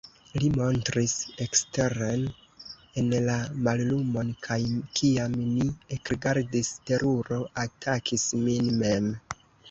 Li montris eksteren en la mallumon, kaj kiam mi ekrigardis, teruro atakis min mem.